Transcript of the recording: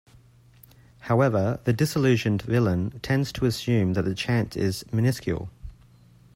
However, the disillusioned villain tends to assume that the chance is minuscule.